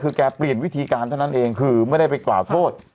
คือแกเปลี่ยนวิธีการเท่านั้นเองคือไม่ได้ไปกล่าวโทษ